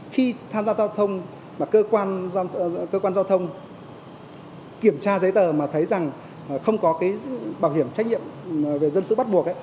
khi tham gia giao thông mà cơ quan giao thông kiểm tra giấy tờ mà thấy rằng không có cái bảo hiểm trách nhiệm về dân sự bắt buộc